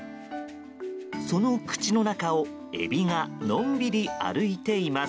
その口の中をエビがのんびり歩いています。